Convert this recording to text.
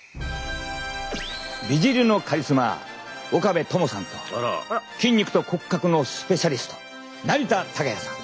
美尻のカリスマ岡部友さんと筋肉と骨格のスペシャリスト成田崇矢さん。